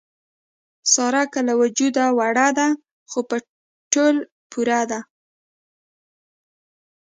ساره که له وجوده وړه ده، خو په تول پوره ده.